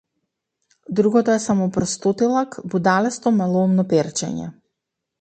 Другото е само простотилак, будалесто, малоумно перчење.